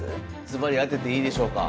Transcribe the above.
ずばり当てていいでしょうか？